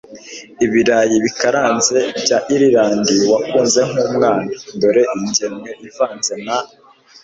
ibirayi bikaranze bya irlande wakunze nkumwana; dore ingemwe ivanze na